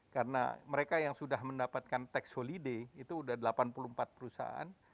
karena mereka yang sudah mendapatkan tax holiday itu sudah delapan puluh empat perusahaan